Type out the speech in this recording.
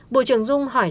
bộ trưởng dung hỏi lại